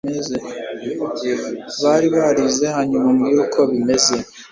Barbarize hanyuma umbwire uko bimeze